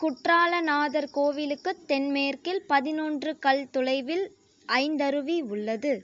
குற்றால நாதர் கோவிலுக்குத் தென் மேற்கில் பதினொன்று கல் தொலைவில் ஐந்தருவி உள்ளது.